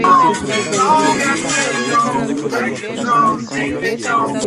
El periódico se editaba diariamente excepto para los domingos.